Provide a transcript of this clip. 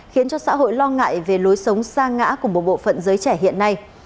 khiến cho xã hội lo ngại về lối sống xa ngã của một bộ phận giới trẻ hiện nay